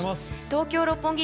東京・六本木